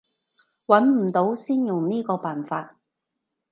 揾唔到先用呢個辦法